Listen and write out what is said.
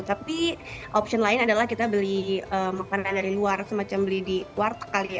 tapi opsi lain adalah kita beli makanan dari luar semacam beli di worteg kali ya